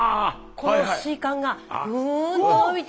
この水管がグーンと伸びて。